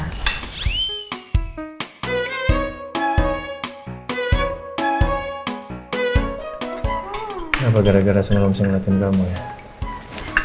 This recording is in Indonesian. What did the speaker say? kenapa gara gara senyum aku bisa ngeliatin kamu ya